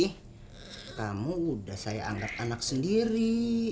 eh kamu udah saya anggap anak sendiri